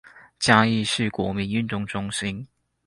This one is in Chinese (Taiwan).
嘉義市國民運動中心